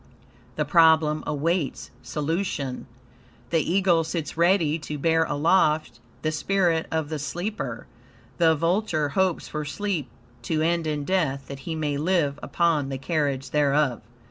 The problem awaits solution. The eagle sits ready to bear aloft the spirit of the sleeper. The vulture hopes for sleep to end in death, that he may live upon the carrion thereof.